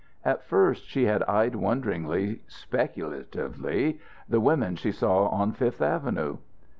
At first she had eyed wonderingly, speculatively, the women she saw on Fifth Avenue.